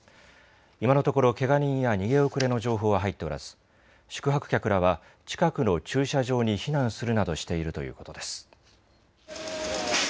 今のところ、けが人や逃げ遅れの情報は入っておらず、宿泊客らは、近くの駐車場に避難するなどしているということです。